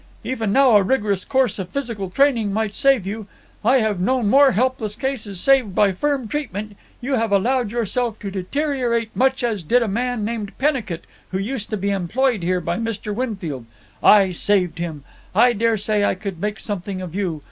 Even now a rigorous course of physical training might save you. I have known more helpless cases saved by firm treatment. You have allowed yourself to deteriorate much as did a man named Pennicut who used to be employed here by Mr. Winfield. I saved him. I dare say I could make something of you.